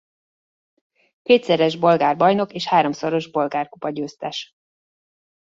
Kétszeres bolgár bajnok és háromszoros bolgár kupagyőztes.